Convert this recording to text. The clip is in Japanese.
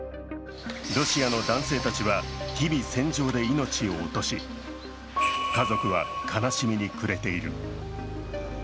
ロシアの男性たちは日々、戦場で命を落とし、家族は悲しみに暮れている。